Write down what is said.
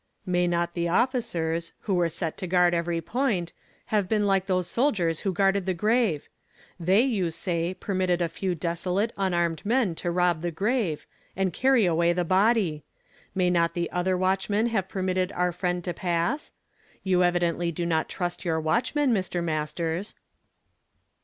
"May not the officers, who were set to guard every point, have been like those soldiers wlio guarded tlie grave ? They, you say, permitted a few desolate, unarmed men to rob the grave, and carry away the body ! May not the other watch men have permitted our friend to pass? You evidently do not trust your watchmen, Mr. Masters."